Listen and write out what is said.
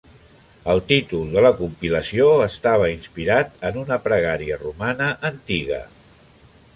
El títol de la compilació estava inspirat en una pregària romana antiga.